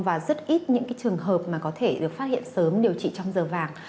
và rất ít những cái trường hợp mà có thể được phát hiện sớm điều trị trong giờ vàng